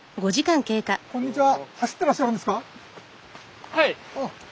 こんにちは。